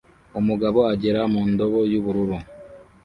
Umugabo agera mu ndobo y'ubururu